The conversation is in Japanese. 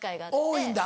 多いんだ。